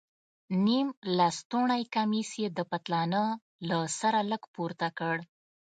نيم لستوڼى کميس يې د پتلانه له سره لږ پورته کړ.